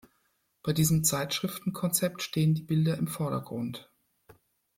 Bei diesem Zeitschriften-Konzept stehen die Bilder im Vordergrund.